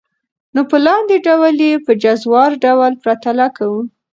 نو په لاندي ډول ئي په جزوار ډول پرتله كوو .